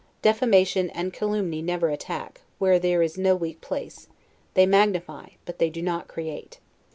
Defamation and calumny never attack, where there is no weak place; they magnify, but they do not create.